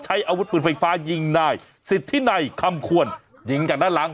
อาวุธปืนไฟฟ้ายิงนายสิทธินัยคำควรยิงจากด้านหลัง